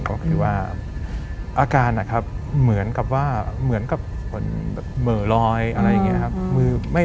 ก็คือว่าอาการเหมือนกับผลเมอรอยอะไรอย่างนี้ครับ